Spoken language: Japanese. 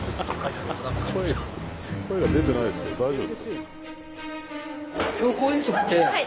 声が出てないですけど大丈夫？